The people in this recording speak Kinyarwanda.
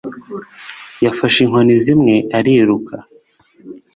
yafashe inkoni zimwe, ariruka